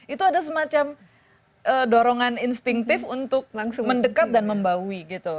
itu ada semacam dorongan instinktif untuk langsung mendekat dan membawi gitu